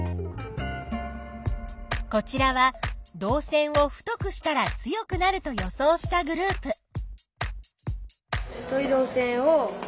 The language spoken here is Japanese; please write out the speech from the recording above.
こちらは導線を太くしたら強くなると予想したグループ。